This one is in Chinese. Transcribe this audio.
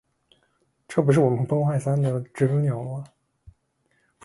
这不是我们崩坏三的知更鸟吗